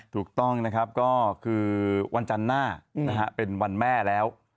ถูกต้องนะครับเผาจานหน้าเป็นวันแม่แล้ว